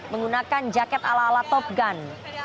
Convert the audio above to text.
menggunakan jaket ala ala top gun